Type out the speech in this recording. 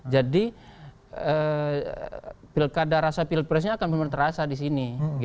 jadi pilkada rasa pilpresnya akan benar benar terasa di sini